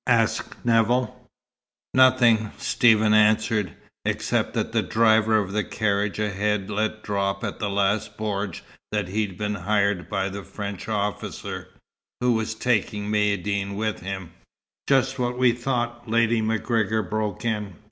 asked Nevill. "Nothing," Stephen answered, "except that the driver of the carriage ahead let drop at the last bordj that he'd been hired by the French officer, who was taking Maïeddine with him." "Just what we thought," Lady MacGregor broke in.